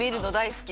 好き？